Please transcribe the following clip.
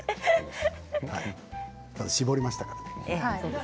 絞りましたからね。